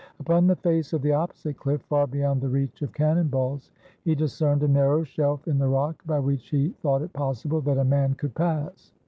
Upon the face of the opposite cliff, far beyond the reach of cannon balls, he discerned a narrow shelf in the rock, by which he thought it possible that a man could pass.